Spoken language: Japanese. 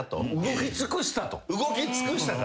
動き尽くしたと。